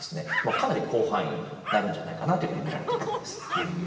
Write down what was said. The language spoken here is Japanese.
かなり広範囲になるんじゃないかなっていうふうにみられてるわけです。